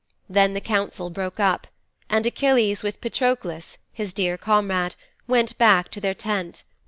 "' 'Then the council broke up and Achilles with Patroklos, his dear comrade, went back to their tent.